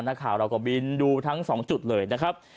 นักข่าวเราก็บินดูทั้งสองจุดเลยนะครับ